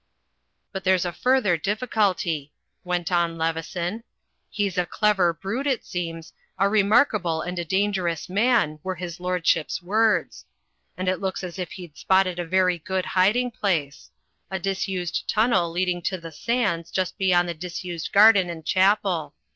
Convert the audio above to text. "But there's a further difficulty," went on Leveson. "He's a clever brute, it seems, a 'remarkable and a dangerous man,' were his lordship's words; and it looks as if he'd spotted a very good hiding place, a disused tunnel leading to the sands, just beyond the disused garden and chapel.